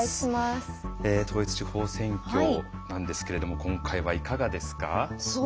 統一地方選挙なんですけれども今回は、いかがですか？